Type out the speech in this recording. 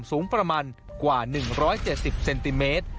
สูงประมาณกว่า๑๗๐เซนติเมตร